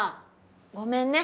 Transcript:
ごめんね。